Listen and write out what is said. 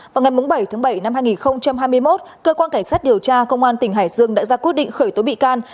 vào ngày bảy tháng bảy năm hai nghìn hai mươi một cơ quan cảnh sát điều tra công an tỉnh hải dương đã ra quyết định khởi tố bị can